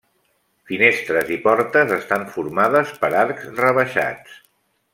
Finestres i portes estan formades per arcs rebaixats.